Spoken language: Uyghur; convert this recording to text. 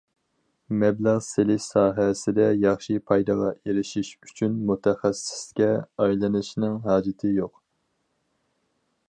مەبلەغ سېلىش ساھەسىدە ياخشى پايدىغا ئېرىشىش ئۈچۈن مۇتەخەسسىسكە ئايلىنىشنىڭ ھاجىتى يوق.